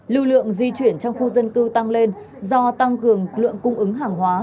lưu lượng di chuyển trong khu dân cư tăng lên do tăng cường lượng cung ứng hàng hóa